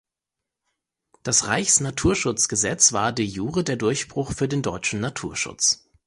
Das Reichsnaturschutzgesetz war de jure der Durchbruch für den deutschen Naturschutz.